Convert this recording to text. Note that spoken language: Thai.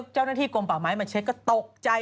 เจ้าหน้าที่กลมเปล่าไม้มาเช็คก็ตกใจ